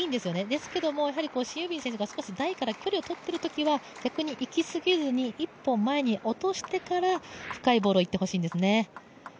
ですけれどもシン・ユビン選手が少し台から距離を取っているときは、逆に行きすぎずに一歩落としてから深いボールをいってほしいんですね。